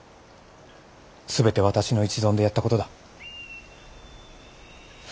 全て私の一存でやったことだ。